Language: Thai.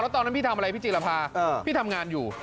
ตอนนั้นพี่ทำอะไรพี่จีรภาพี่ทำงานอยู่